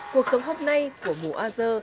cuộc sống hôm nay của mùa a dơ